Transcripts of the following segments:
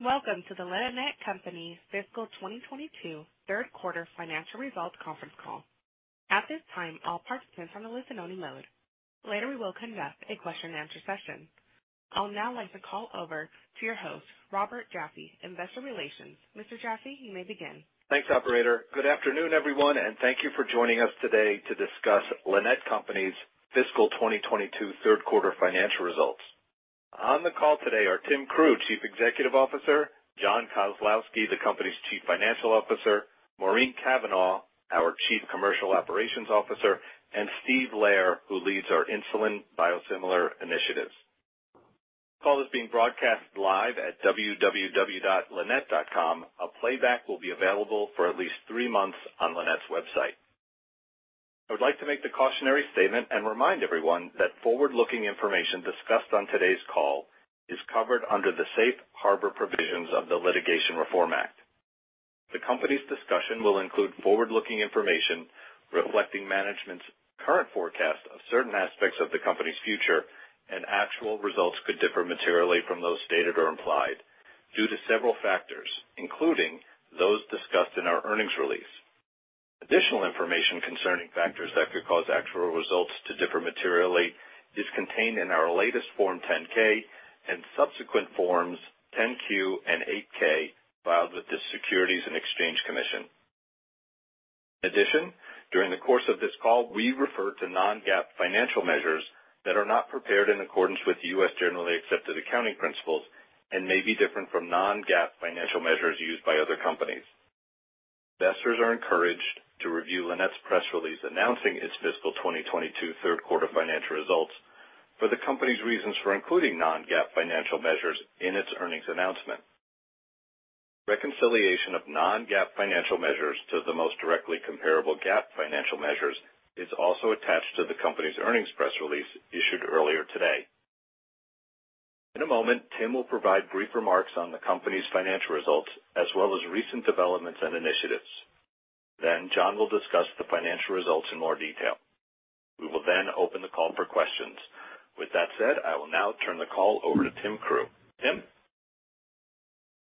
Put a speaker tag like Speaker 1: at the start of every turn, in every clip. Speaker 1: Welcome to the Lannett Company fiscal 2022 third quarter financial results conference call. At this time, all participants are in a listen-only mode. Later, we will conduct a question and answer session. I would now like to call over to your host, Robert Jaffe, Investor Relations. Mr. Jaffe, you may begin.
Speaker 2: Thanks, operator. Good afternoon, everyone, and thank you for joining us today to discuss Lannett Company's fiscal 2022 third quarter financial results. On the call today are Tim Crew, Chief Executive Officer, John Kozlowski, the company's Chief Financial Officer, Maureen Cavanaugh, our Chief Commercial Operations Officer, and Steve Lehrer, who leads our insulin biosimilar initiatives. This call is being broadcast live at www.lannett.com. A playback will be available for at least three months on Lannett's website. I would like to make the cautionary statement and remind everyone that forward-looking information discussed on today's call is covered under the safe harbor provisions of the Private Securities Litigation Reform Act. The company's discussion will include forward-looking information reflecting management's current forecast of certain aspects of the company's future, and actual results could differ materially from those stated or implied due to several factors, including those discussed in our earnings release. Additional information concerning factors that could cause actual results to differ materially is contained in our latest Form 10-K and subsequent Forms 10-Q and 8-K filed with the Securities and Exchange Commission. In addition, during the course of this call, we refer to non-GAAP financial measures that are not prepared in accordance with U.S. generally accepted accounting principles and may be different from non-GAAP financial measures used by other companies. Investors are encouraged to review Lannett's press release announcing its fiscal 2022 third quarter financial results for the company's reasons for including non-GAAP financial measures in its earnings announcement. Reconciliation of non-GAAP financial measures to the most directly comparable GAAP financial measures is also attached to the company's earnings press release issued earlier today. In a moment, Tim will provide brief remarks on the company's financial results, as well as recent developments and initiatives. John Kozlowski will discuss the financial results in more detail. We will then open the call for questions. With that said, I will now turn the call over to Timothy C. Crew. Timothy C. Crew?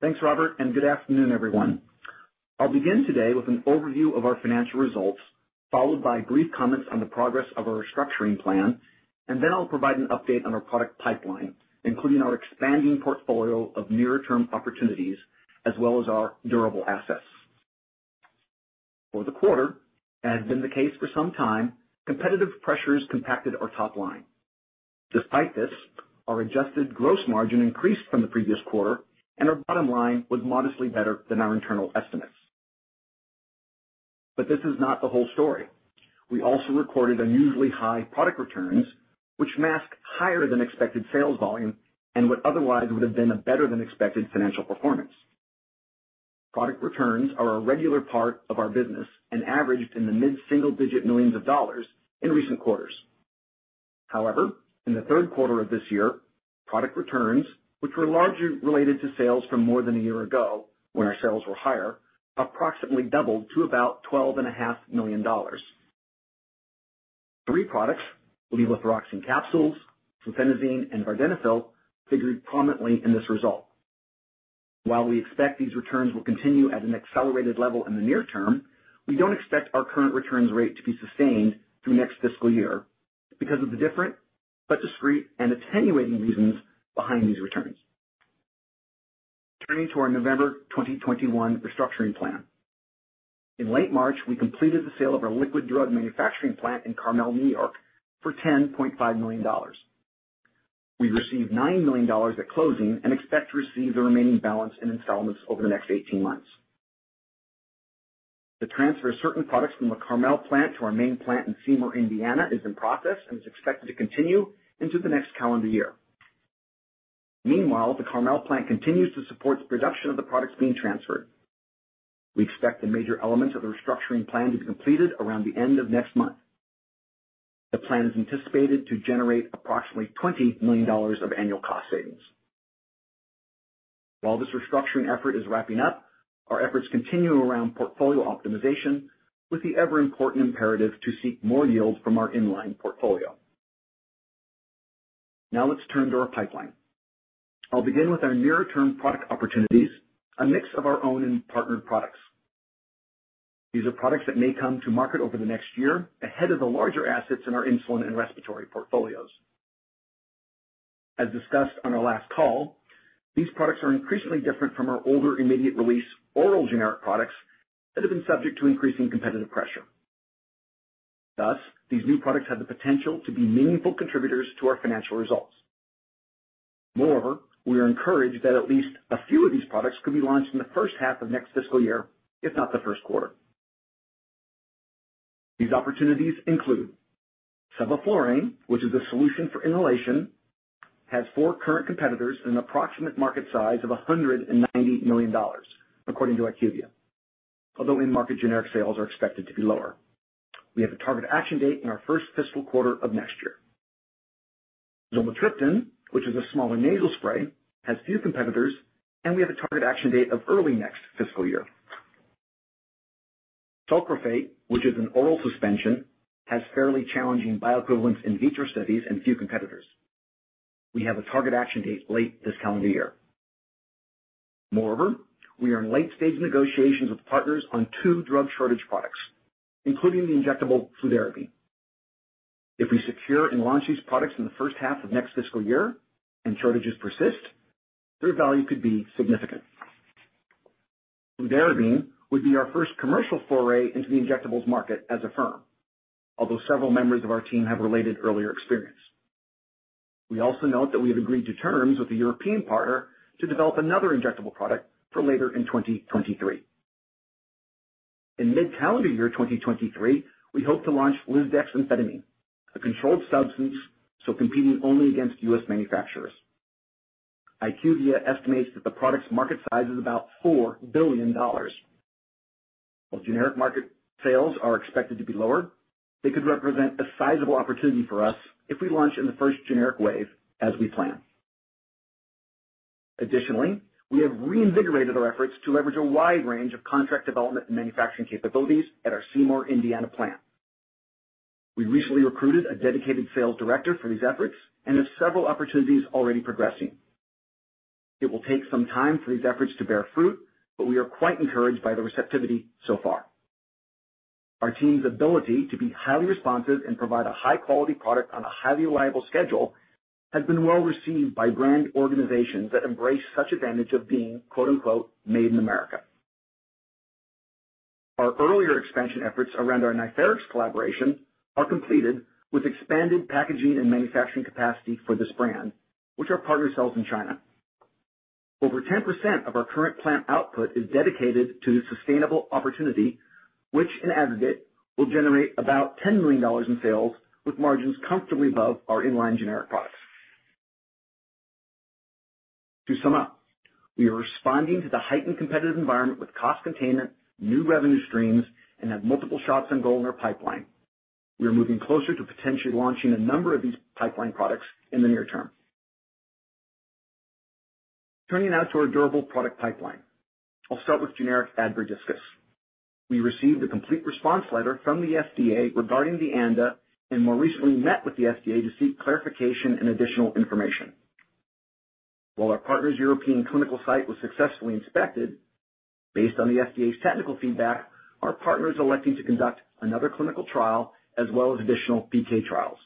Speaker 3: Thanks, Robert, and good afternoon, everyone. I'll begin today with an overview of our financial results, followed by brief comments on the progress of our restructuring plan, and then I'll provide an update on our product pipeline, including our expanding portfolio of near-term opportunities as well as our durable assets. For the quarter, as has been the case for some time, competitive pressures contracted our top line. Despite this, our adjusted gross margin increased from the previous quarter and our bottom line was modestly better than our internal estimates. This is not the whole story. We also recorded unusually high product returns, which masked higher than expected sales volume and what otherwise would have been a better than expected financial performance. Product returns are a regular part of our business and averaged in the mid-single digit millions of dollars in recent quarters. However, in the third quarter of this year, product returns, which were largely related to sales from more than a year ago when our sales were higher, approximately doubled to about $12.5 million. Three products, levothyroxine capsules, Sufentanil, and vardenafil, figured prominently in this result. While we expect these returns will continue at an accelerated level in the near term, we don't expect our current returns rate to be sustained through next fiscal year because of the different but discrete and attenuating reasons behind these returns. Turning to our November 2021 restructuring plan. In late March, we completed the sale of our liquid drug manufacturing plant in Carmel, New York, for $10.5 million. We received $9 million at closing and expect to receive the remaining balance in installments over the next 18 months. The transfer of certain products from the Carmel plant to our main plant in Seymour, Indiana, is in process and is expected to continue into the next calendar year. Meanwhile, the Carmel plant continues to support the production of the products being transferred. We expect the major elements of the restructuring plan to be completed around the end of next month. The plan is anticipated to generate approximately $20 million of annual cost savings. While this restructuring effort is wrapping up, our efforts continue around portfolio optimization with the ever important imperative to seek more yield from our in-line portfolio. Now let's turn to our pipeline. I'll begin with our near-term product opportunities, a mix of our own and partnered products. These are products that may come to market over the next year ahead of the larger assets in our insulin and respiratory portfolios. As discussed on our last call, these products are increasingly different from our older immediate-release oral generic products that have been subject to increasing competitive pressure. Thus, these new products have the potential to be meaningful contributors to our financial results. Moreover, we are encouraged that at least a few of these products could be launched in the first half of next fiscal year, if not the first quarter. These opportunities include sevoflurane, which is a solution for inhalation, has four current competitors and an approximate market size of $190 million, according to IQVIA, although in-market generic sales are expected to be lower. We have a target action date in our first fiscal quarter of next year. Zolmitriptan, which is a smaller nasal spray, has few competitors, and we have a target action date of early next fiscal year. Sucralfate, which is an oral suspension, has fairly challenging bioequivalence in vitro studies and few competitors. We have a target action date late this calendar year. Moreover, we are in late-stage negotiations with partners on two drug shortage products, including the injectable Fludarabine. If we secure and launch these products in the first half of next fiscal year and shortages persist, their value could be significant. Fludarabine would be our first commercial foray into the injectables market as a firm, although several members of our team have related earlier experience. We also note that we have agreed to terms with a European partner to develop another injectable product for later in 2023. In mid-calendar year 2023, we hope to launch lisdexamfetamine, a controlled substance, so competing only against U.S. manufacturers. IQVIA estimates that the product's market size is about $4 billion. While generic market sales are expected to be lower, they could represent a sizable opportunity for us if we launch in the first generic wave as we plan. Additionally, we have reinvigorated our efforts to leverage a wide range of contract development and manufacturing capabilities at our Seymour, Indiana plant. We recently recruited a dedicated sales director for these efforts and have several opportunities already progressing. It will take some time for these efforts to bear fruit, but we are quite encouraged by the receptivity so far. Our team's ability to be highly responsive and provide a high quality product on a highly reliable schedule has been well received by brand organizations that embrace such advantage of being, quote-unquote, made in America. Our earlier expansion efforts around our Niferex collaboration are completed with expanded packaging and manufacturing capacity for this brand, which our partner sells in China. Over 10% of our current plant output is dedicated to this sustainable opportunity, which in aggregate, will generate about $10 million in sales with margins comfortably above our in-line generic products. To sum up, we are responding to the heightened competitive environment with cost containment, new revenue streams, and have multiple shots on goal in our pipeline. We are moving closer to potentially launching a number of these pipeline products in the near term. Turning now to our durable product pipeline. I'll start with generic Advair Diskus. We received a complete response letter from the FDA regarding the ANDA, and more recently met with the FDA to seek clarification and additional information. While our partner's European clinical site was successfully inspected, based on the FDA's technical feedback, our partner is electing to conduct another clinical trial as well as additional PK trials.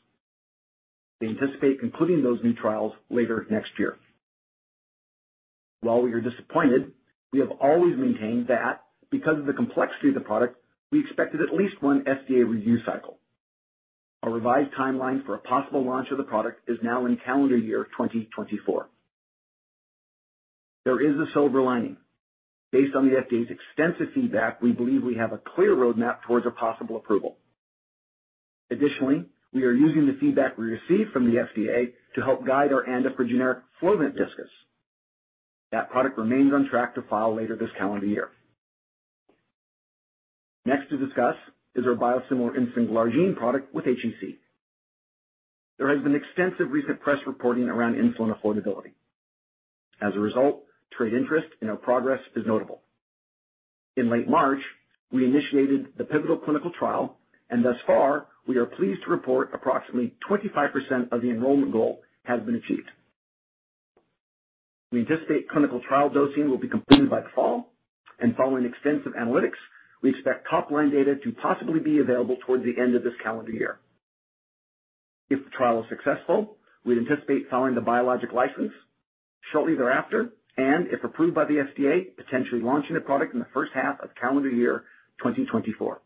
Speaker 3: They anticipate concluding those new trials later next year. While we are disappointed, we have always maintained that because of the complexity of the product, we expected at least one FDA review cycle. Our revised timeline for a possible launch of the product is now in calendar year 2024. There is a silver lining. Based on the FDA's extensive feedback, we believe we have a clear roadmap towards a possible approval. Additionally, we are using the feedback we received from the FDA to help guide our ANDA for generic Flovent Diskus. That product remains on track to file later this calendar year. Next to discuss is our biosimilar insulin glargine product with HEC. There has been extensive recent press reporting around insulin affordability. As a result, trade interest in our progress is notable. In late March, we initiated the pivotal clinical trial, and thus far, we are pleased to report approximately 25% of the enrollment goal has been achieved. We anticipate clinical trial dosing will be completed by the fall, and following extensive analytics, we expect top line data to possibly be available towards the end of this calendar year. If the trial is successful, we'd anticipate filing the biologic license shortly thereafter, and if approved by the FDA, potentially launching the product in the first half of calendar year 2024.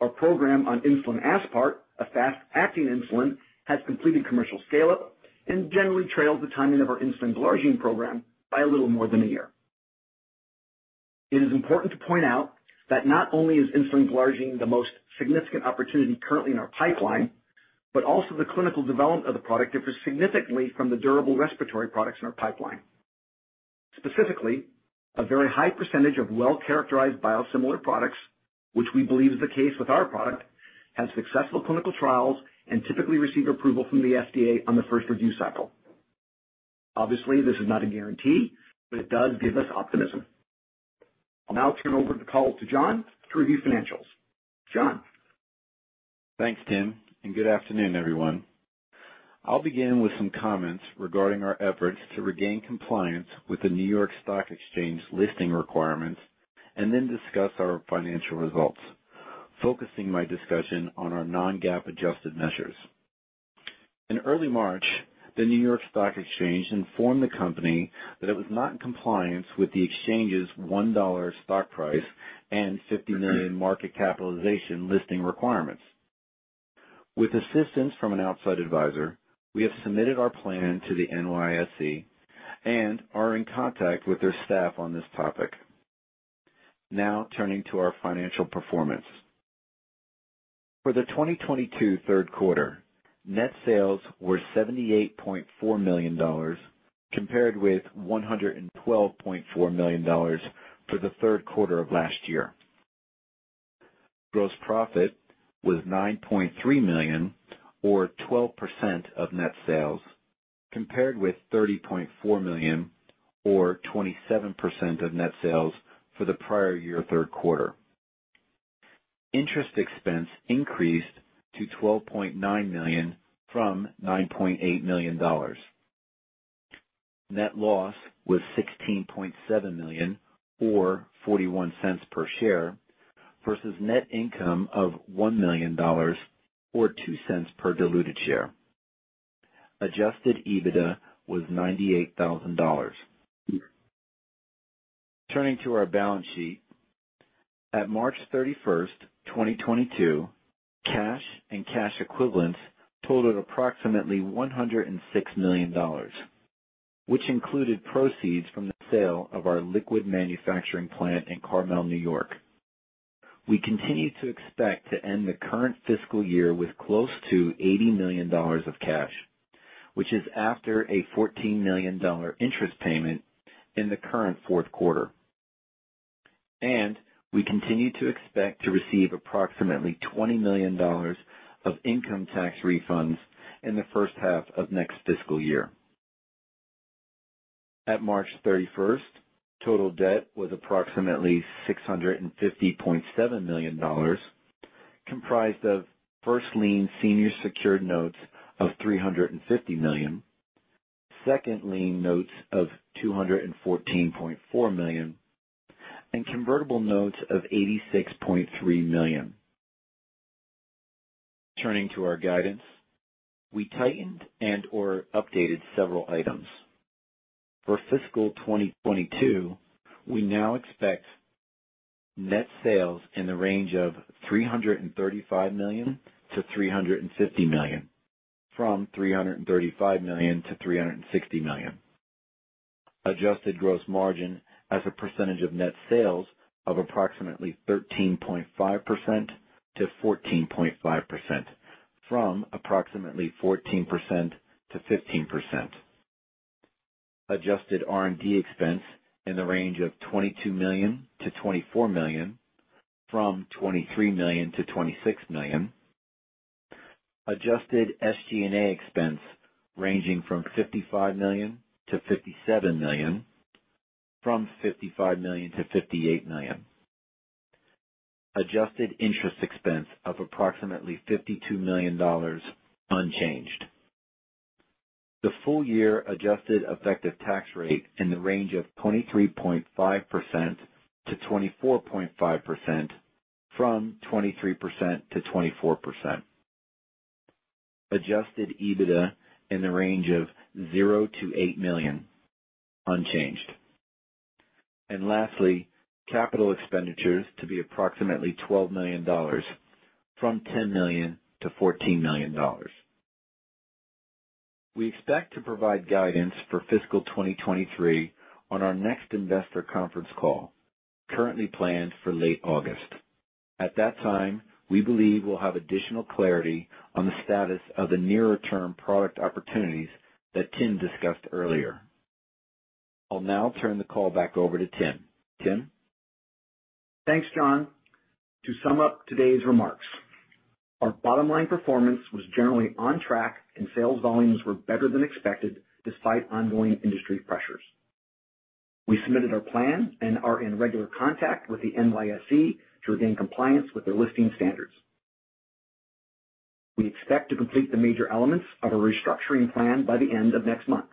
Speaker 3: Our program on insulin aspart, a fast-acting insulin, has completed commercial scale-up and generally trails the timing of our insulin glargine program by a little more than a year. It is important to point out that not only is insulin glargine the most significant opportunity currently in our pipeline, but also the clinical development of the product differs significantly from the durable respiratory products in our pipeline. Specifically, a very high percentage of well-characterized biosimilar products, which we believe is the case with our product, have successful clinical trials and typically receive approval from the FDA on the first review cycle. Obviously, this is not a guarantee, but it does give us optimism. I'll now turn over the call to John to review financials. John?
Speaker 4: Thanks, Tim, and good afternoon, everyone. I'll begin with some comments regarding our efforts to regain compliance with the New York Stock Exchange listing requirements and then discuss our financial results, focusing my discussion on our non-GAAP adjusted measures. In early March, the New York Stock Exchange informed the company that it was not in compliance with the exchange's $1 stock price and $50 million market capitalization listing requirements. With assistance from an outside advisor, we have submitted our plan to the NYSE and are in contact with their staff on this topic. Now turning to our financial performance. For the 2022 third quarter, net sales were $78.4 million compared with $112.4 million for the third quarter of last year. Gross profit was $9.3 million or 12% of net sales, compared with $30.4 million or 27% of net sales for the prior year third quarter. Interest expense increased to $12.9 million from $9.8 million. Net loss was $16.7 million or $0.41 per share versus net income of $1 million or $0.02 per diluted share. Adjusted EBITDA was $98 thousand. Turning to our balance sheet. At March 31, 2022, cash and cash equivalents totaled approximately $106 million, which included proceeds from the sale of our liquid manufacturing plant in Carmel, New York. We continue to expect to end the current fiscal year with close to $80 million of cash, which is after a $14 million interest payment in the current fourth quarter. We continue to expect to receive approximately $20 million of income tax refunds in the first half of next fiscal year. At March 31, total debt was approximately $650.7 million, comprised of first lien senior secured notes of $350 million, second lien notes of $214.4 million, and convertible notes of $86.3 million. Turning to our guidance. We tightened and/or updated several items. For fiscal 2022, we now expect net sales in the range of $335 million-$350 million, from $335 million-$360 million. Adjusted gross margin as a percentage of net sales of approximately 13.5%-14.5% from approximately 14%-15%. Adjusted R&D expense in the range of $22 million-$24 million from $23 million-$26 million. Adjusted SG&A expense ranging from $55 million-$57 million from $55 million-$58 million. Adjusted interest expense of approximately $52 million unchanged. The full year adjusted effective tax rate in the range of 23.5%-24.5% from 23%-24%. Adjusted EBITDA in the range of $0-$8 million unchanged. Lastly, capital expenditures to be approximately $12 million from $10 million-$14 million. We expect to provide guidance for fiscal 2023 on our next investor conference call, currently planned for late August. At that time, we believe we'll have additional clarity on the status of the nearer term product opportunities that Tim discussed earlier. I'll now turn the call back over to Tim. Tim.
Speaker 3: Thanks, John. To sum up today's remarks, our bottom line performance was generally on track and sales volumes were better than expected despite ongoing industry pressures. We submitted our plan and are in regular contact with the NYSE to regain compliance with their listing standards. We expect to complete the major elements of our restructuring plan by the end of next month.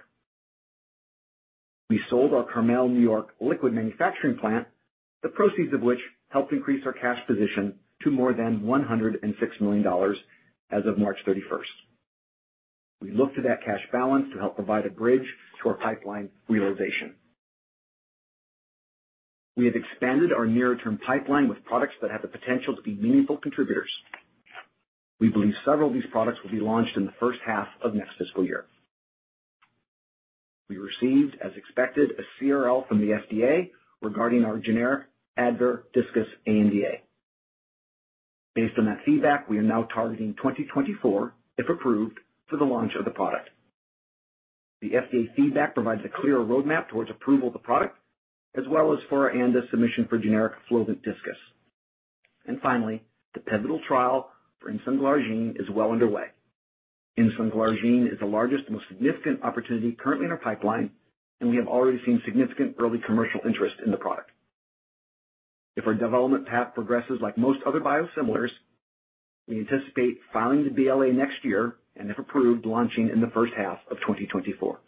Speaker 3: We sold our Carmel, New York, liquid manufacturing plant, the proceeds of which helped increase our cash position to more than $106 million as of March 31. We look to that cash balance to help provide a bridge to our pipeline realization. We have expanded our nearer term pipeline with products that have the potential to be meaningful contributors. We believe several of these products will be launched in the first half of next fiscal year. We received, as expected, a CRL from the FDA regarding our generic Advair Diskus ANDA. Based on that feedback, we are now targeting 2024, if approved, for the launch of the product. The FDA feedback provides a clearer roadmap towards approval of the product as well as for our ANDA submission for generic Flovent Diskus. Finally, the pivotal trial for insulin glargine is well underway. Insulin glargine is the largest and most significant opportunity currently in our pipeline, and we have already seen significant early commercial interest in the product. If our development path progresses like most other biosimilars, we anticipate filing the BLA next year, and if approved, launching in the first half of 2024.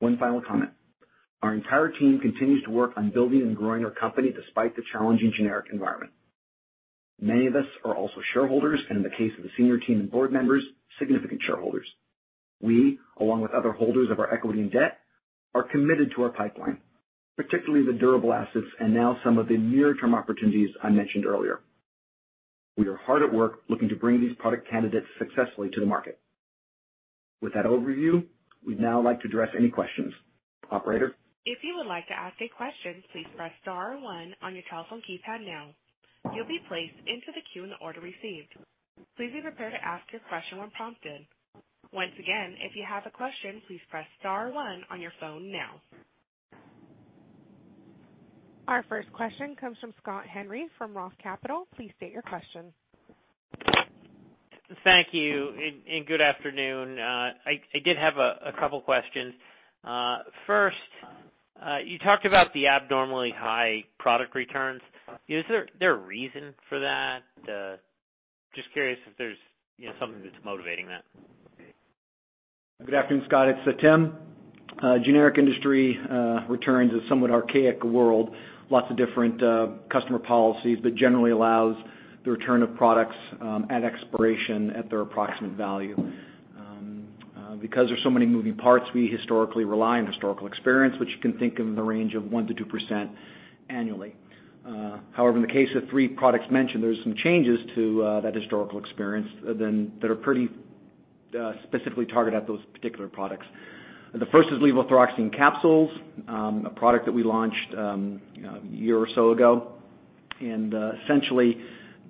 Speaker 3: One final comment. Our entire team continues to work on building and growing our company despite the challenging generic environment. Many of us are also shareholders, and in the case of the senior team and board members, significant shareholders. We, along with other holders of our equity and debt, are committed to our pipeline, particularly the durable assets and now some of the near-term opportunities I mentioned earlier. We are hard at work looking to bring these product candidates successfully to the market. With that overview, we'd now like to address any questions. Operator.
Speaker 1: If you would like to ask a question, please press star one on your telephone keypad now. You'll be placed into the queue in the order received. Please be prepared to ask your question when prompted. Once again, if you have a question, please press star one on your phone now. Our first question comes from Scott Henry from Roth Capital. Please state your question.
Speaker 5: Thank you and good afternoon. I did have a couple questions. First, you talked about the abnormally high product returns. Is there a reason for that? Just curious if there's, you know, something that's motivating that.
Speaker 3: Good afternoon, Scott. It's Tim. Generic industry returns a somewhat archaic world. Lots of different customer policies, but generally allows the return of products at expiration at their approximate value. Because there's so many moving parts, we historically rely on historical experience, which you can think of in the range of 1%-2% annually. However, in the case of three products mentioned, there's some changes to that historical experience that are pretty specifically targeted at those particular products. The first is levothyroxine capsules, a product that we launched a year or so ago. Essentially,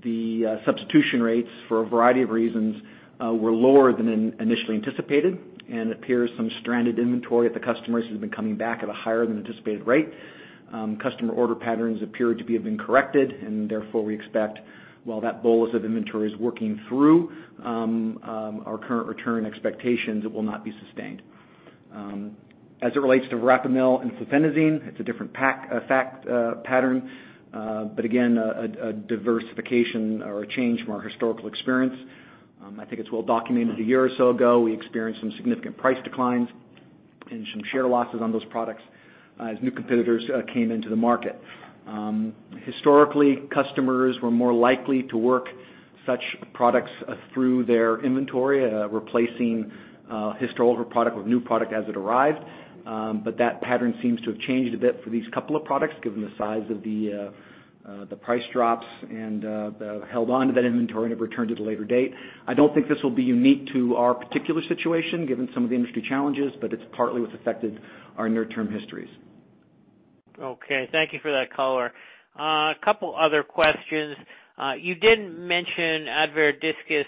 Speaker 3: the substitution rates for a variety of reasons were lower than initially anticipated, and appears some stranded inventory at the customers has been coming back at a higher than anticipated rate. Customer order patterns appear to have been corrected, and therefore we expect, while that bolus of inventory is working through, our current return expectations, it will not be sustained. As it relates to Rapamune and fluphenazine, it's a different fact pattern, but again, a diversification or a change from our historical experience. I think it's well documented a year or so ago, we experienced some significant price declines and some share losses on those products, as new competitors came into the market. Historically, customers were more likely to work such products through their inventory, replacing historical product with new product as it arrived. That pattern seems to have changed a bit for these couple of products given the size of the price drops and they held onto that inventory to return at a later date. I don't think this will be unique to our particular situation, given some of the industry challenges, but it's partly what's affected our near-term results.
Speaker 5: Okay. Thank you for that color. A couple other questions. You did mention Advair Diskus,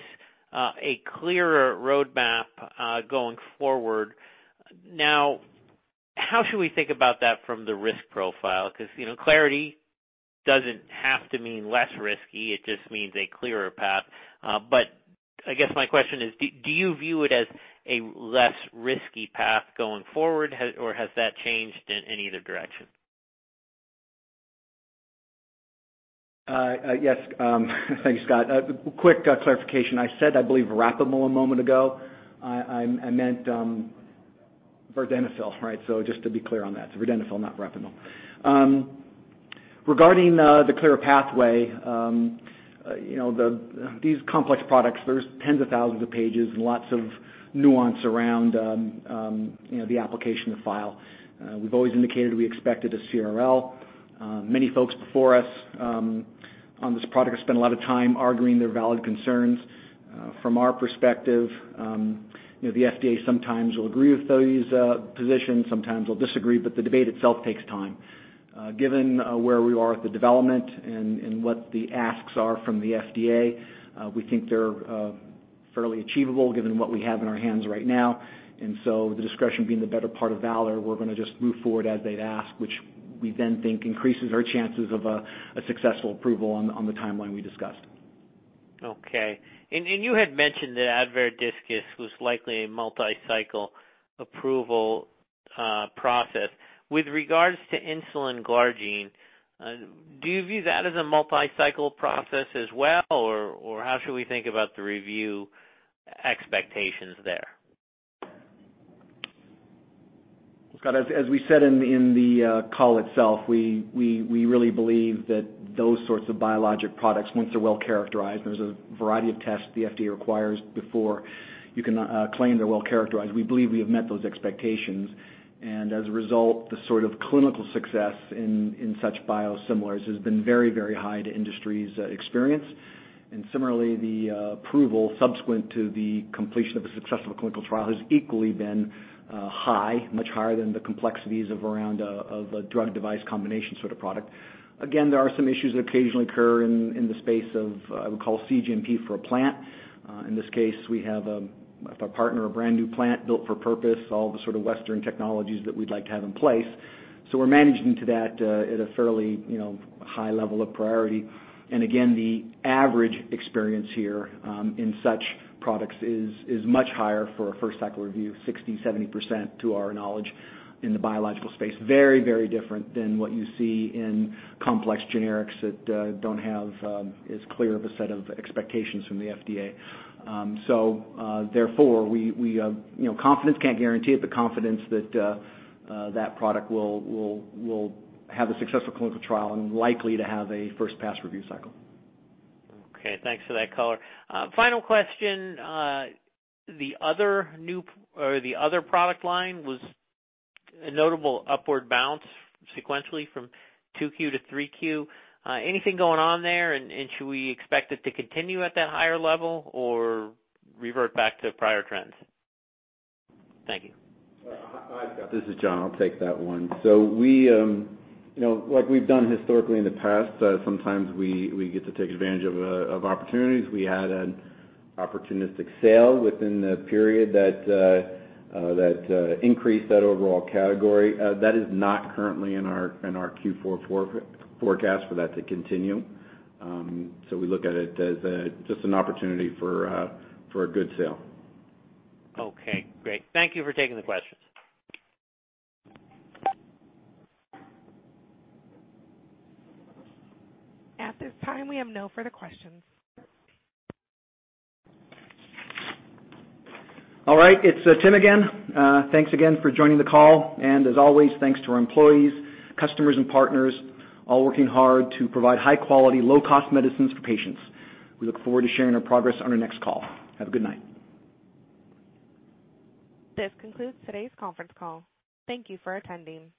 Speaker 5: a clearer roadmap going forward. Now, how should we think about that from the risk profile? 'Cause, you know, clarity doesn't have to mean less risky, it just means a clearer path. But I guess my question is, do you view it as a less risky path going forward, or has that changed in either direction?
Speaker 3: Yes. Thank you, Scott. Quick clarification. I said, I believe Rapamune a moment ago. I meant vardenafil, right? Just to be clear on that, vardenafil not Rapamune. Regarding the clearer pathway, you know, these complex products, there's tens of thousands of pages and lots of nuance around you know, the application to file. We've always indicated we expected a CRL. Many folks before us on this product have spent a lot of time arguing their valid concerns. From our perspective, you know, the FDA sometimes will agree with these positions, sometimes they'll disagree, but the debate itself takes time. Given where we are with the development and what the asks are from the FDA, we think they're fairly achievable given what we have in our hands right now. The discretion being the better part of valor, we're gonna just move forward as they'd ask, which we then think increases our chances of a successful approval on the timeline we discussed.
Speaker 5: You had mentioned that Advair Diskus was likely a multi-cycle approval process. With regards to insulin glargine, do you view that as a multi-cycle process as well, or how should we think about the review expectations there?
Speaker 3: Scott, as we said in the call itself, we really believe that those sorts of biologic products, once they're well characterized, there's a variety of tests the FDA requires before you can claim they're well characterized. We believe we have met those expectations. As a result, the sort of clinical success in such biosimilars has been very high to industry's experience. Similarly, the approval subsequent to the completion of a successful clinical trial has equally been high, much higher than the complexities around a drug device combination sort of product. Again, there are some issues that occasionally occur in the space of what we call CGMP for a plant. In this case, we have a partner, a brand new plant built for purpose, all the sort of Western technologies that we'd like to have in place. We're managing to that at a fairly, you know, high level of priority. Again, the average experience here in such products is much higher for a first cycle review, 60%-70% to our knowledge in the biological space. Very, very different than what you see in complex generics that don't have as clear of a set of expectations from the FDA. Therefore, we, you know, can't guarantee it, but confidence that the product will have a successful clinical trial and likely to have a first pass review cycle.
Speaker 5: Okay. Thanks for that color. Final question. The other new or the other product line was a notable upward bounce sequentially from 2Q to 3Q. Anything going on there? Should we expect it to continue at that higher level or revert back to prior trends? Thank you.
Speaker 4: Hi, Scott. This is John. I'll take that one. We, you know, like we've done historically in the past, sometimes we get to take advantage of opportunities. We had an opportunistic sale within the period that increased that overall category. That is not currently in our Q4 forecast for that to continue. We look at it as just an opportunity for a good sale.
Speaker 5: Okay, great. Thank you for taking the questions.
Speaker 1: At this time, we have no further questions.
Speaker 3: All right, it's Tim again. Thanks again for joining the call. As always, thanks to our employees, customers and partners, all working hard to provide high quality, low cost medicines for patients. We look forward to sharing our progress on our next call. Have a good night.
Speaker 1: This concludes today's conference call. Thank you for attending.